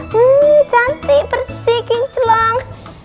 hmm cantik bersih kincelong